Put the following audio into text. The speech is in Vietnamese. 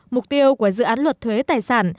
mục tiêu của dự án luật thuế tài sản